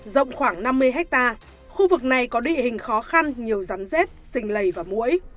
rộng khoảng năm mươi hectare khu vực này có địa hình khó khăn nhiều rắn rết sinh lầy và mũi